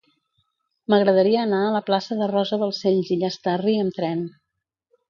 M'agradaria anar a la plaça de Rosa Balcells i Llastarry amb tren.